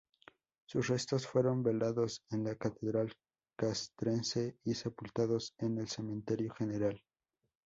Sus restos fueron velados en la Catedral Castrense y sepultados en el Cementerio General.